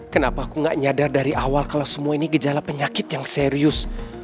kenapa aku gak nyadar dari awal kalau semua ini gejala penyakit yang serius